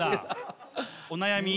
お悩み